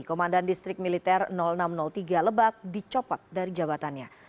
komandan distrik militer enam ratus tiga lebak dicopot dari jabatannya